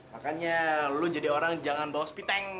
makanya lu jadi orang jangan bawa sepiteng